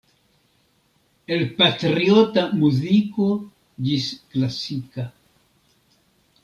El patriota muziko ĝis klasika.